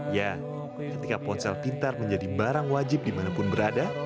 ya ketika ponsel pintar menjadi barang wajib dimanapun berada